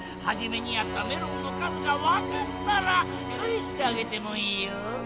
はじめにあったメロンの数がわかったらかえしてあげてもいいよ。